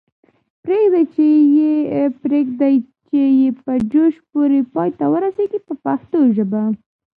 پریږدئ چې یې په جوش پوره پای ته ورسیږي په پښتو ژبه.